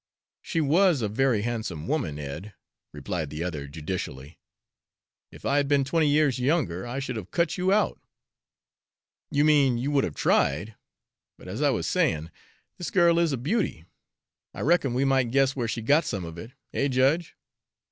"She was a very handsome woman, Ed," replied the other judicially. "If I had been twenty years younger, I should have cut you out." "You mean you would have tried. But as I was saying, this girl is a beauty; I reckon we might guess where she got some of it, eh, Judge?